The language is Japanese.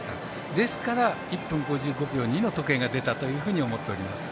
ですから１分５５秒２の時計が出たと思っております。